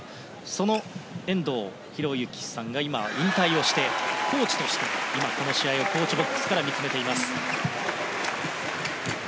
その遠藤大由さんが今、引退をしてコーチとして今、この試合をコーチボックスから見つめています。